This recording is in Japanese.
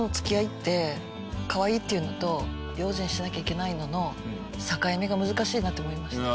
かわいいっていうのと用心しなきゃいけないのの境目が難しいなって思いました。